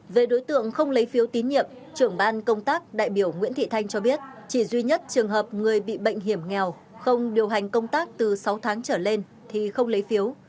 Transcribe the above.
về đối tượng không lấy phiếu tín nhiệm trưởng ban công tác đại biểu nguyễn thị thanh cho biết chỉ duy nhất trường hợp người bị bệnh hiểm nghèo không điều hành công tác từ sáu tháng trở lên thì không lấy phiếu